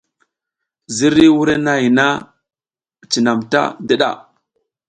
Ziriy wurenahay na cinam ta ndiɗa.